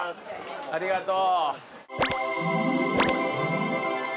ありがとう。